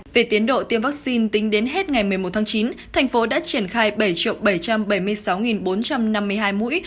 về tiến độ tiêm vaccine tính đến hết ngày một mươi một tháng chín thành phố đã triển khai bảy bảy trăm bảy mươi sáu bốn trăm năm mươi hai mũi